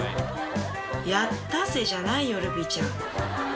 「やったぜ」じゃないよルビーちゃん。